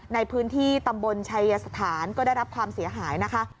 ในพื้นที่ตำบลชัยสถานก็ได้รับความเสียหายนะคะ